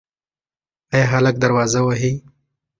ایا هلک دروازه وهي؟